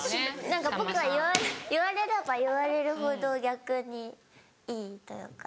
何か僕は言われれば言われるほど逆にいいというか。